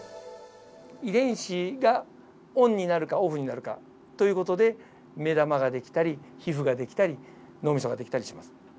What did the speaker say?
遺伝子がオンになるかオフになるかという事で目玉ができたり皮膚ができたり脳みそができたりします。